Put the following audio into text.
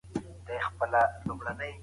ګړندی او تېز کار تل ګټور وي.